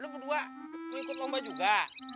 lu kedua lu ikut lomba juga